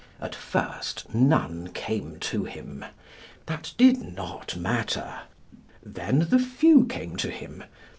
At first none came to him. That did not matter. Then the few came to him.